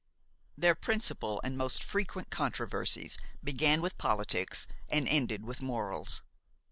Their principal and most frequent controversies began with politics and ended with morals.